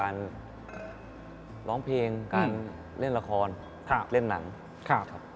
ร้องเพลงการเล่นละครเล่นหนังครับ